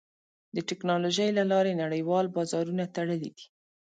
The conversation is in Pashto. د ټکنالوجۍ له لارې نړیوال بازارونه تړلي دي.